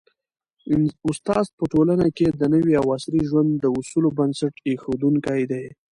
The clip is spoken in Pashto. استاد په ټولنه کي د نوي او عصري ژوند د اصولو بنسټ ایښودونکی دی.